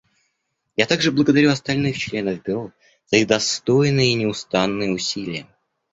Я также благодарю остальных членов Бюро за их достойные и неустанные усилия.